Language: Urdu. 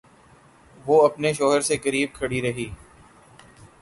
وہ اپنے شوہر سے قریب کھڑی رہی